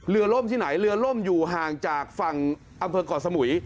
ล่มที่ไหนเรือล่มอยู่ห่างจากฝั่งอำเภอก่อสมุย